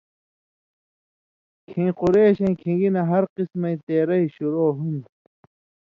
کھیں قُریشَیں کھِن٘گیۡ نہ ہر قِسمَیں تېرئ شروع ہُون٘دیۡ۔